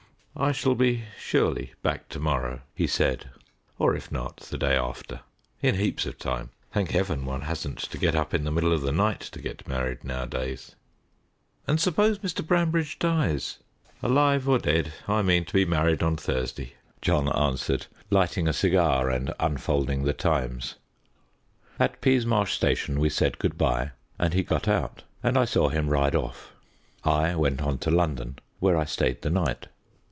"I shall be surely back to morrow," he said, "or, if not, the day after, in heaps of time. Thank Heaven, one hasn't to get up in the middle of the night to get married nowadays!" "And suppose Mr. Branbridge dies?" "Alive or dead I mean to be married on Thursday!" John answered, lighting a cigar and unfolding the Times. At Peasmarsh station we said "good bye," and he got out, and I saw him ride off; I went on to London, where I stayed the night.